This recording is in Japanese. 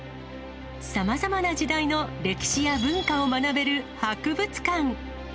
さまざまな時代の歴史や文化を学べる博物館。